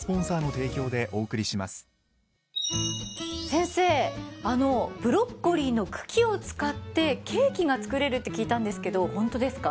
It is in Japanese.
先生あのブロッコリーの茎を使ってケーキが作れるって聞いたんですけどホントですか？